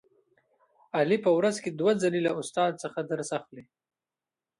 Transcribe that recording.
علي په ورځ کې دوه ځلې له استاد څخه درس اخلي.